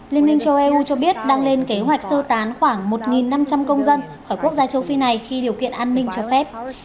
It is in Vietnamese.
liên minh châu eu cho biết đang lên kế hoạch sơ tán khoảng một năm trăm linh công dân khỏi quốc gia châu phi này khi điều kiện an ninh cho phép